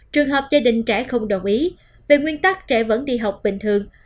trường hợp gia đình trẻ không đồng ý về nguyên tắc trẻ vẫn đi học bình thường